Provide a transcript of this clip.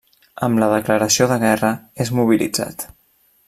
Amb la declaració de guerra, és mobilitzat.